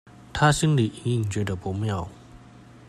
她心裡隱隱覺得不妙